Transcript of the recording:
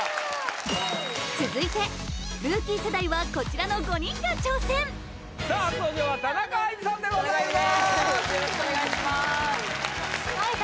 続いてルーキー世代はこちらの５人が挑戦さあ初登場は田中あいみさんでございます田中あいみです